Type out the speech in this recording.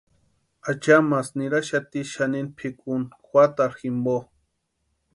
Achamasï niraxati xanini pʼikuni juatarhu jimpo.